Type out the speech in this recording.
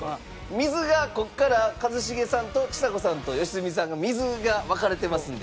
水がここから一茂さんとちさ子さんと良純さんが水が分かれてますんで。